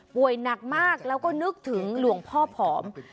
หนักมากแล้วก็นึกถึงหลวงพ่อผอม